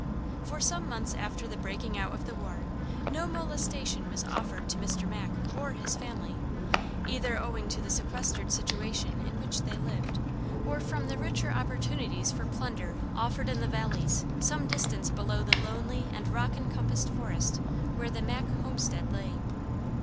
For some months after the breaking out of the war no molestation was offered to Mr. Mack or his family, either owing to the sequestered situation in which they lived, or from the richer opportunities for plunder offered in the valleys some distance below the lonely and rock encompassed forest where the Mack homestead lay.